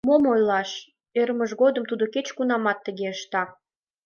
Мом ойлаш ӧрмыж годым тудо кеч-кунамат тыге ышта.